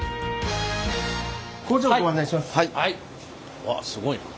うわっすごいな。